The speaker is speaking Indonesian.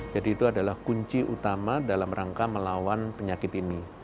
jadi itu adalah kunci utama dalam rangka melawan penyakit ini